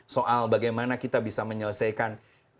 soal bagaimana kita bisa menyelesaikan